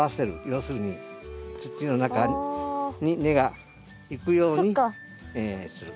要するに土の中に根が行くようにする。